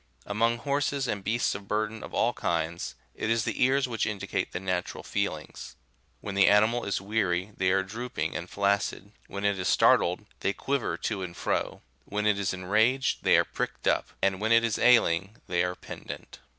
Among horses and beasts of burden of all kinds, it is the ears which indicate the natural feelings; when the animal is weary, they are droop ing and flaccid ; when it is startled, they quiver to and fro ; when it is enraged, they are pricked up ; and when it is ailing, they are pendant.